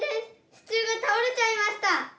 支柱が倒れちゃいました！